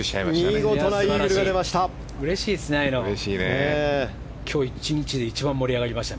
見事なイーグルが出ました。